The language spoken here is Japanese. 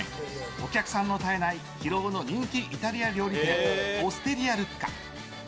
お客さんの絶えない広尾の人気イタリア料理店オステリアルッカ。